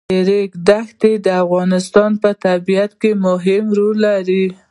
د ریګ دښتې د افغانستان په طبیعت کې مهم رول لري.